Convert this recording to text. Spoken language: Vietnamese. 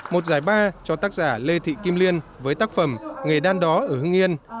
một giải ba cho tác giả lê thị kim liên với tác phẩm nghề đan đó ở hưng yên